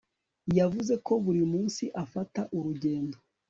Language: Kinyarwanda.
Yavuze ko buri munsi afata urugendo